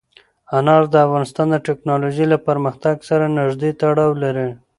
انار د افغانستان د تکنالوژۍ له پرمختګ سره نږدې تړاو لري.